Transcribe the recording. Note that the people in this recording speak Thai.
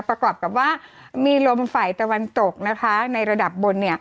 ประกอบกับว่ามีลมฝ่ายตะวันตกนะคะในระดับบน